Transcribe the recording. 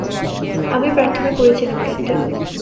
আমি প্রার্থনা করেছিলাম, ক্যাপ্টেন।